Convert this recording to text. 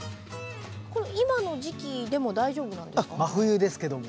今の時期でも大丈夫なんですか？